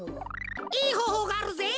いいほうほうがあるぜ！